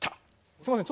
すいません